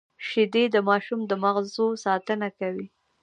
شیدې د ماشوم د مغزو ساتنه کوي